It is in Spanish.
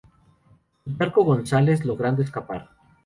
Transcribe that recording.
Plutarco González logrando escapar.